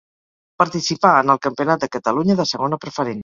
Participà en el Campionat de Catalunya de Segona Preferent.